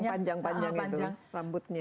panjang panjang itu rambutnya